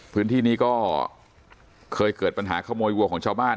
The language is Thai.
พื้นที่นี้ก็เคยเกิดปัญหาขโมยวัวของชาวบ้าน